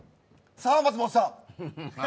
さあ松本さん。